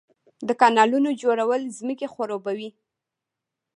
د کانالونو جوړول ځمکې خړوبوي.